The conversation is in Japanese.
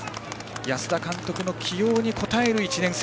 安田監督の起用に応える１年生。